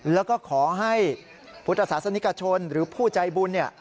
แล้วก็ขอให้พุทธศาสนิกชนหรือผู้ใจบุญเนี่ย